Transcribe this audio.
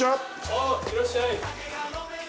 おぉ、いらっしゃい！